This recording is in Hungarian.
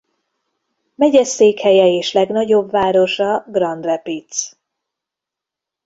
Megyeszékhelye és legnagyobb városa Grand Rapids.